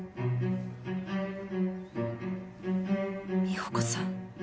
美保子さん